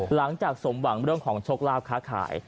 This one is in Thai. หลังจากสมหวังเรื่องของโชคลาภค้าขาย